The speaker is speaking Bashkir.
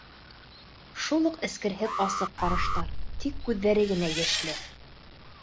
Шул уҡ эскерһеҙ асыҡ ҡараштар, тик күҙҙәре генә йәшле.